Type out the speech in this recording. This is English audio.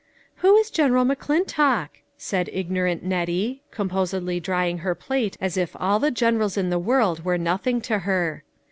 " Who is General McClintock ?" said ignorant Nettie, composedly drying her plate as though all the generals in the world were nothing to her.